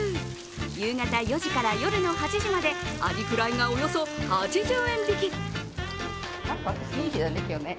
夕方４時から夜の８時までアジフライがおよそ８０円引き。